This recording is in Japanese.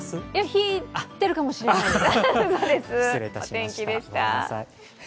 引いているかもしれない、うそです。